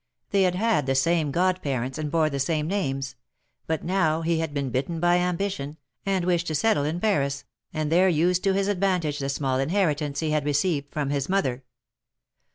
They had had 84 THE MABKETS OF PABIS. the same god parents, and bore the same names; but now he had been bitten by ambition, and wished to settle in Paris, and there use to advantage the small inheritance he had received from his mother.